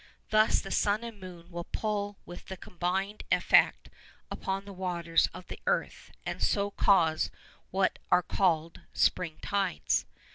Thus the sun and moon will pull with combined effect upon the waters of the earth, and so cause what are called spring tides.